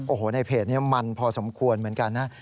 โอ้โหในเพจนี้มันพอสมควรเหมือนกันนะ